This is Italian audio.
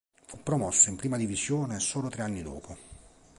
Fu promosso in prima divisione solo tre anni dopo.